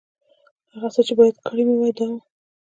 هغه څه چې باید کړي مې وای، دا و.